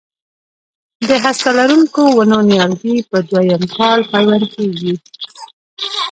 د هسته لرونکو ونو نیالګي په دوه یم کال پیوند کېږي.